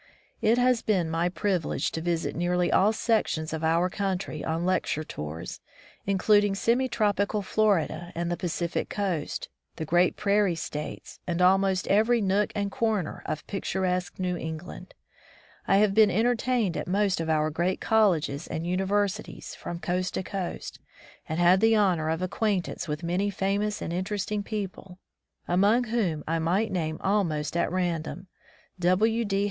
It has been my privilege to visit nearly all sections of our country on lecture tours, including semi tropical Florida and the Pacific coast, the great prairie states, and almost every nook and comer of picturesque New England. I have been entertained at most of our great colleges and universities, from 191 From the Deep Woods to Cimlizatum coast to coasty and had the honor of ac quaintance with many famous and interest ing people, among whom I might name al most at random, W. D.